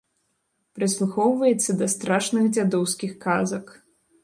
Прыслухоўваецца да страшных дзядоўскіх казак.